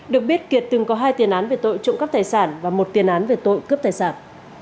được biết kiệt từng có hai tiền án về tội trộm cắp tài sản và một tiền án về tội cướp tài sản